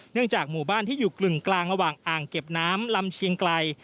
จากหมู่บ้านที่อยู่กึ่งกลางระหว่างอ่างเก็บน้ำลำเชียงไกล